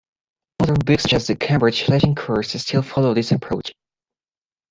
Modern books such as the "Cambridge Latin Course" still follow this approach.